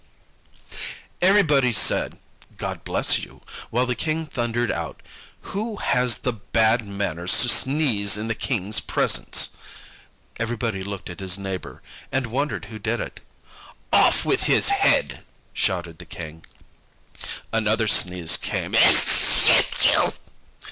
Everybody said, "God bless you," while the King thundered out: "Who has the bad manners to sneeze in the King's presence?" Everybody looked at his neighbour, and wondered who did it. "Off with his head," shouted the King. Another sneeze came.